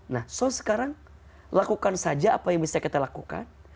nah so sekarang lakukan saja apa yang bisa kita lakukan